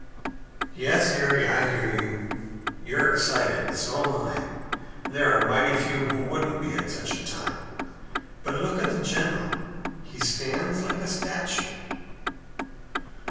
"Yes, Harry, I hear you. You're excited. So am I. There are mighty few who wouldn't be at such a time; but look at the general! He stands like a statue!"